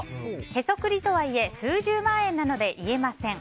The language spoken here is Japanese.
へそくりとはいえ数十万円なので言えません。